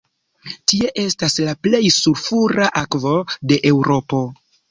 Tie estas la plej sulfura akvo de Eŭropo.